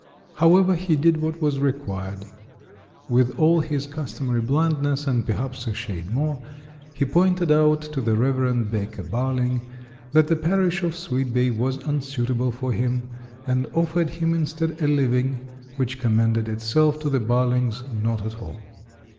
However, he did what was required. With all his customary blandness, and perhaps a shade more, he pointed out to the Rev. Baker Barling that the parish of Sweetbay was unsuitable for him, and offered him instead a living which com mended itself to the Barlings not at all.